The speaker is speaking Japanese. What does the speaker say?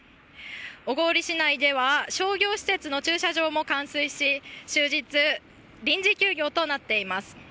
小郡市内では商業施設の駐車場も冠水し終日、臨時休業となっています。